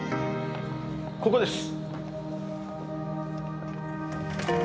ここです。